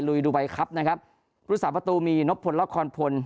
ลุยดูใบคลับนะครับภูมิสาปตัวตัวมีนพลแล้วคอนพล